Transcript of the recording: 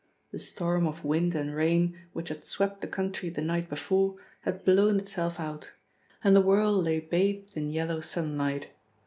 The storm of wind and rain which had swept the country the night before had blown itself out, and the world lay bathed in yellow sunlight.